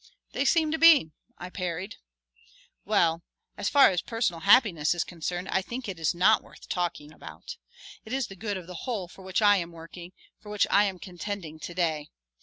"They seem to be," I parried. "Well, as far as personal happiness is concerned I think it is not worth talking about. It is the good of the whole for which I am working, for which I am contending to day.